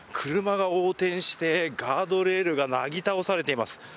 車が横転してガードレールがなぎ倒されています。